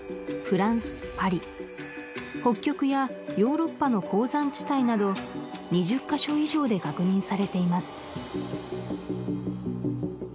フランス・パリ北極やヨーロッパの高山地帯など２０カ所以上で確認されています